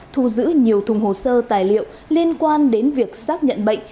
thu giữ nhiều thùng hồ sơ tài liệu liên quan đến việc xác nhận bệnh